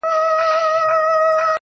د دروازې له ښورېدو سره سړه سي خونه!.